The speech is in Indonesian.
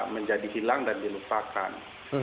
menjadi hilang dan dilupakan